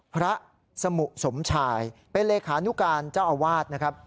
พระสมุสมชายเป็นเลขานุการเจ้าอาวาสนะครับ